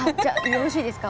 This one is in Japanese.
よろしいですか？